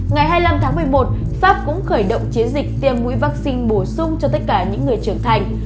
ngày hai mươi năm tháng một mươi một pháp cũng khởi động chiến dịch tiêm mũi vaccine bổ sung cho tất cả những người trưởng thành